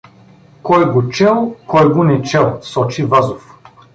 Кой го чел, кой го не чел — сочи Вазов.